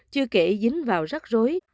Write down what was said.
chưa kể dính vào rắc rối